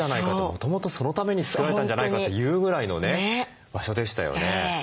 もともとそのために作られたんじゃないかというぐらいのね場所でしたよね。